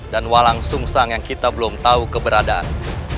dan walang sungsang yang kita belum tahu keberadaan